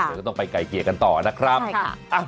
เธอก็ต้องไปไกลเกียกกันต่อนะครับ